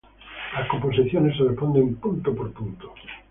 Las composiciones se responden punto por punto.